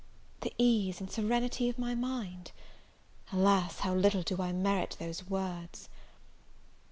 The ease and serenity of my mind! alas, how little do I merit those words!